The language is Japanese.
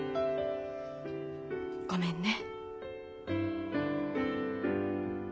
ごめんね。